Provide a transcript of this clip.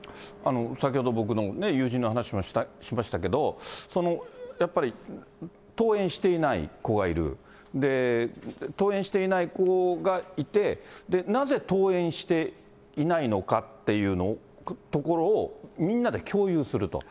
先ほど僕の友人の話、しましたけど、そのやっぱり、登園していない子がいる、登園していない子がいて、なぜ登園していないのかってところをみんなで共有すると。